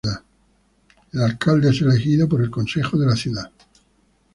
El alcalde es elegido por el consejo de la ciudad.